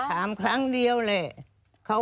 ครั้งเดียวแหละ